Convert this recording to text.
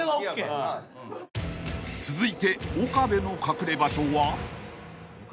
［続いて岡部の隠れ場所は？］